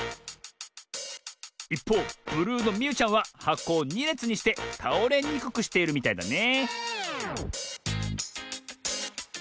いっぽうブルーのみゆちゃんははこを２れつにしてたおれにくくしているみたいだね